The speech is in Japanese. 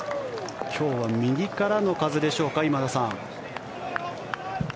今日は右からの風でしょうか今田さん。